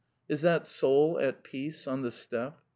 Is that soul at peace on the steppe?